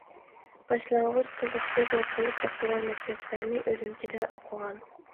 باشلانغۇچ، تولۇقسىز ۋە تولۇق ئوتتۇرا مەكتەپلەرنى ئۈرۈمچىدە ئوقۇغان.